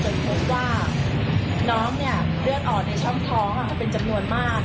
พบว่าน้องเนี่ยเลือดออกในช่องท้องเป็นจำนวนมาก